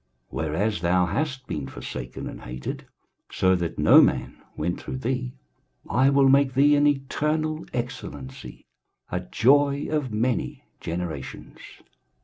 23:060:015 Whereas thou has been forsaken and hated, so that no man went through thee, I will make thee an eternal excellency, a joy of many generations.